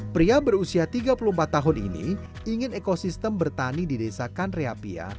pria berusia tiga puluh empat tahun ini ingin ekosistem bertani di desa kandreapia